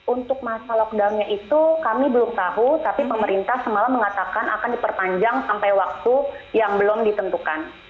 untuk masa lockdownnya itu kami belum tahu tapi pemerintah semalam mengatakan akan diperpanjang sampai waktu yang belum ditentukan